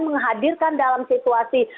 menghadirkan dalam situasi